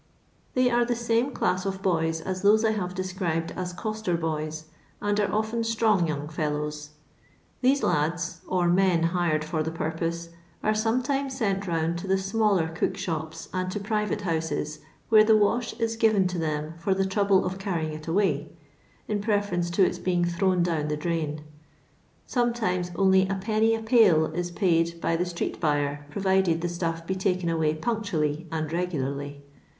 They are the same dass of boys as those I have described as coster boys, and* are often strong young ffiUowt. These kds — or men hired for the purpose— lare sometimes sent round to the smaller cook shops and to private houses, where the wash is given to them for the trouble of carrying it away, in preference to its being thrown down the drain. Sometimes only Id. a pail is paid by the street buyer, provided the stuff be taken away punctually and rwularly.